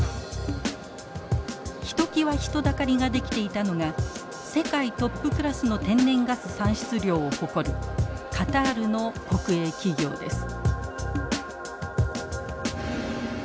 ひときわ人だかりが出来ていたのが世界トップクラスの天然ガス産出量を誇るカタールの国営企業です。